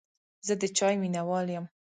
زه د چای مینهوال یم.